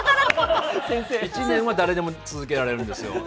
１年は誰でも続けられるんですよ。